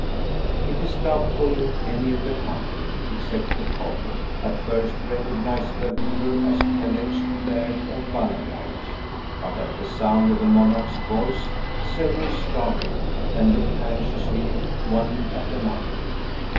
It is doubtful if any of the company, except the cobbler, at first recognised their ruler as the alleged Laird of Ballengeich; but at the sound of the monarch's voice several started and looked anxiously one at another.